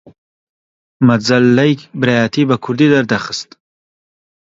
مەجەللەی برایەتی بە کوردی دەردەخست